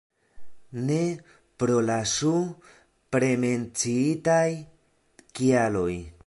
Ne, pro la supremenciitaj kialoj.